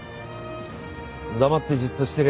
黙ってじっとしてりゃ